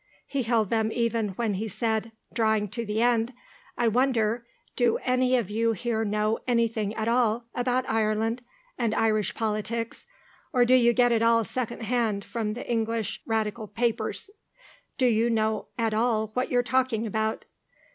He held them even when he said, drawing to the end, "I wonder do any of you here know anything at all about Ireland and Irish politics, or do you get it all second hand from the English Radical papers? Do you know at all what you're talking about?